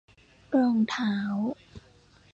รองเท้า